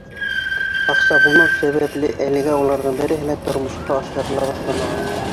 Аҡса булмау сәбәпле әлегә уларҙың береһе лә тормошҡа ашырыла башламаған.